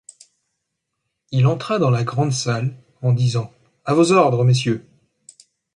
Il entra dans la grande salle, en disant: « À vos ordres, messieurs.